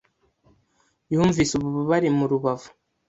Yumvise ububabare mu rubavu.